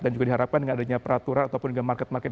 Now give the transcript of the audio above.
dan juga diharapkan dengan adanya peraturan ataupun market market